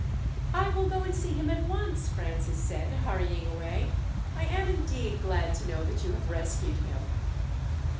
"I will go and see him at once," Francis said, hurrying away. "I am indeed glad to know that you have rescued him."